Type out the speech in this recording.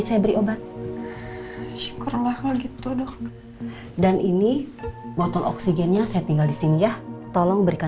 ya baik dong